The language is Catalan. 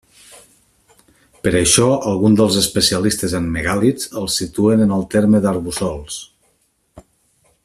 Per això alguns dels especialistes en megàlits el situen en el terme d'Arboçols.